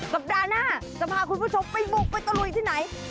สัปดาห์หน้าจะพาคุณผู้ชมไปบุกไปตะลุยที่ไหน